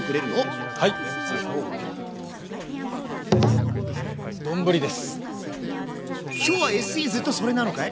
今日は今日はＳＥずっとそれなのかい？